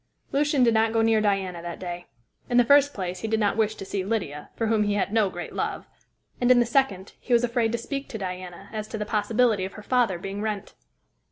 Lucian did not go near Diana that day. In the first place, he did not wish to see Lydia, for whom he had no great love; and in the second, he was afraid to speak to Diana as to the possibility of her father being Wrent.